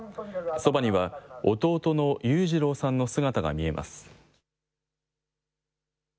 そばには、弟の裕次郎さんの姿が見えます。